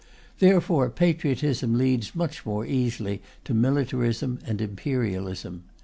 Therefore patriotism leads much more easily to militarism and imperialism.